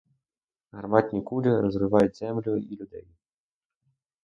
Гарматні кулі розривають землю і людей.